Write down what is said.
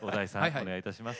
お願いいたします。